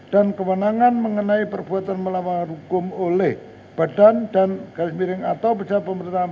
dan kewenangan mengenai perbuatan melawan hukum oleh badan dan garis miring atau peserta pemerintahan